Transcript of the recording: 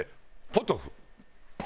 ポトフ！？